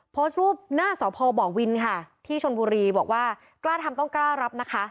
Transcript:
โพสต์รูปหน้าสพบวินค่ะที่ชนบุรีบอกว่ากล้าทำต้องกล้ารับนะคะ